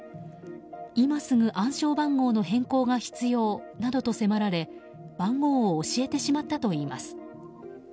今すぐ暗証番号の変更が必要などと迫られ番号を教えてしまったといいます。